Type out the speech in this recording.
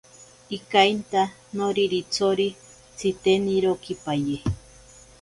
Ikainta noriritsori tsitenirokipaye.